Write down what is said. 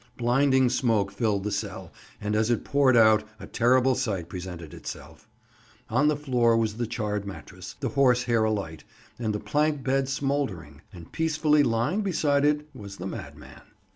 Blinding smoke filled the cell, and as it poured out a terrible sight presented itself. On the floor was the charred mattress, the horse hair alight, and the plank bed smouldering, and peacefully lying beside it was the madman.